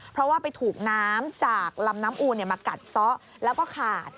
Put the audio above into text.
เพราะว่าไปถูกน้ำจากลำน้ำอูมากัดซะแล้วก็ขาด